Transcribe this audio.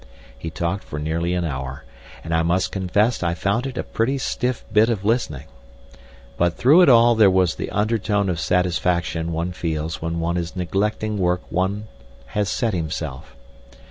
He talked for nearly an hour, and I must confess I found it a pretty stiff bit of listening. But through it all there was the undertone of satisfaction one feels when one is neglecting work one has set oneself.